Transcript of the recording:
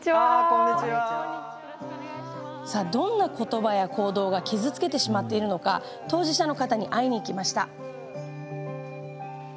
どんなことばや行動が傷つけてしまっているのか当事者の方に会いに行きました。